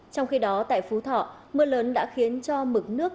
trong khi đó tại phú thọ mưa lớn đã khiến cho mực nước